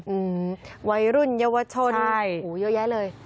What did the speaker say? อืมวัยรุ่นเยาวชนโอ้โหเยอะแยะเลย